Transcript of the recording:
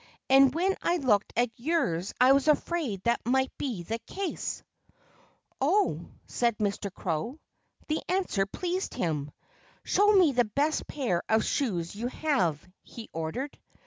And when I looked at yours I was afraid that might be the case." "Oh!" said Mr. Crow. The answer pleased him. "Show me the best pair of shoes you have," he ordered.